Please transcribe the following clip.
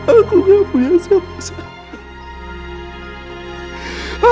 aku gak punya siapa siapa